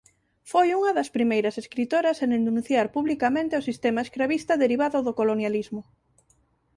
Foi unha das primeiras escritoras en denunciar publicamente o sistema escravista derivado do colonialismo.